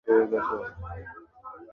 আমরা যে বাড়িতে থাকি ঐ বাড়িকে দূষিত করেছে!